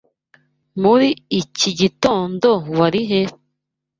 Muri iki gitondo, wari he?